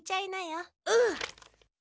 うん。